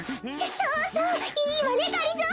そうそういいわねがりぞー。